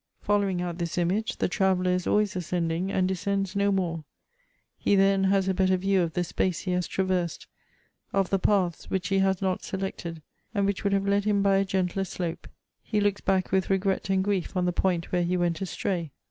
Following out this image, the traveller is always ascending and descends no more ; he then has a better view of the space he has traversed, of the paths which he has not selected, and which would have led him by a gentler slope ; he looks back with regret and grief on the point where he went astray.